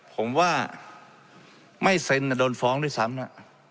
ผมว่าไม่เซ็นโดนฟ้องด้วยซ้ำนะ